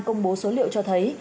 công bố số liệu cho thấy